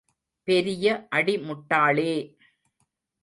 பெரிய அடி முட்டாளே!